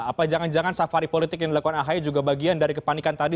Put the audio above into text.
apa jangan jangan safari politik yang dilakukan ahy juga bagian dari kepanikan tadi